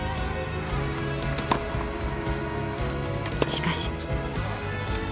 しかし。